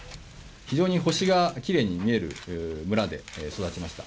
非常に星がきれいに見える村で育ちました。